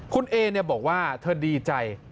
คุณเอบอกว่าเธอดีใจ